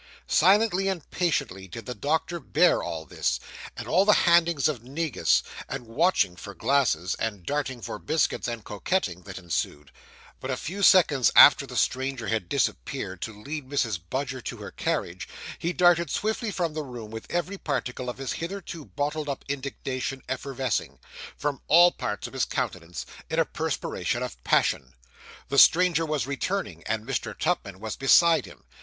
Silently and patiently did the doctor bear all this, and all the handings of negus, and watching for glasses, and darting for biscuits, and coquetting, that ensued; but, a few seconds after the stranger had disappeared to lead Mrs. Budger to her carriage, he darted swiftly from the room with every particle of his hitherto bottled up indignation effervescing, from all parts of his countenance, in a perspiration of passion. The stranger was returning, and Mr. Tupman was beside him.